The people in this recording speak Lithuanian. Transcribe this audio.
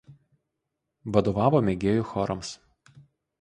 Vadovavo mėgėjų chorams.